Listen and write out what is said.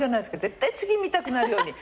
絶対次見たくなるように。